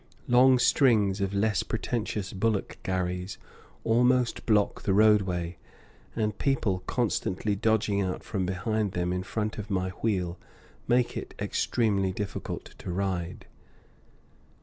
Long strings of less pretentious bullock gharries almost block the roadway, and people constantly dodging out from behind them in front of my wheel make it extremely difficult to ride.